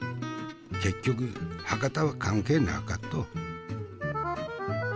結局博多は関係なかと。